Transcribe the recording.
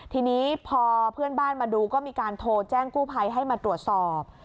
ทีนี้พอเพื่อนบ้านมาดูก็มีการโทรแจ้งกู้ภัยให้มาตรวจสอบ